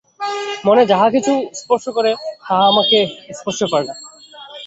মন যাহা কিছু করে, তাহা আমাকে স্পর্শ করে না।